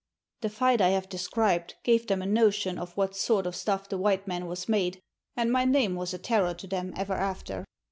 The fight I have described gave them a notion of what sort of stuff the white man was made, and my name was a terror to them ever after.